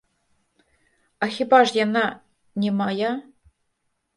А хіба ж яна не мая?